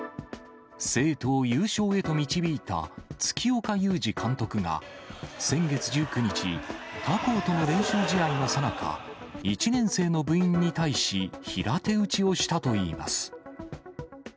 生徒を優勝へと導いた月岡裕二監督が、先月１９日、他校との練習試合のさなか、１年生の部員に対し平手打ちをしたといいます。